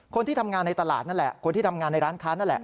คนที่ทำงานในตลาดนั่นแหละคนที่ทำงานในร้านค้านั่นแหละ